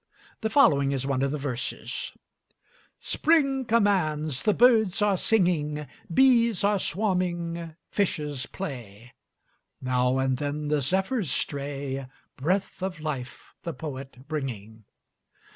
The following is one of the verses: "Spring commands; the birds are singing, Bees are swarming, fishes play; Now and then the zephyrs stray, Breath of life the poet bringing.